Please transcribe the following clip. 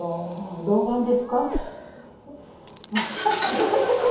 老眼ですか？